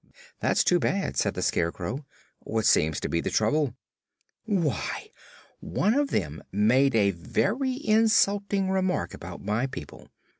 "That's too bad," said the Scarecrow. "What seems to be the trouble?" "Why, one of them made a very insulting remark about my people.